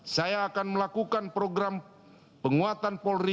saya akan melakukan program penguatan polri